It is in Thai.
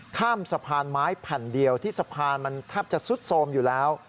ข้ามสะพานไม้แผ่นเดียวที่สะพานมันแทบจะซุดโทรมอยู่แล้ว